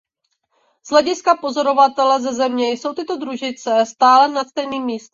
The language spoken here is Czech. Z hlediska pozorovatele ze Země jsou tyto družice stále nad stejným místem.